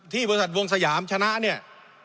บริษัทวงสยามชนะเนี่ย